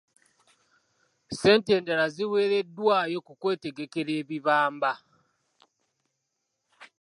Ssente endala ziweereddwayo ku kwetegekera ebibamba.